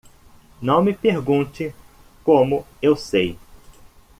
Não me pergunte como eu sei.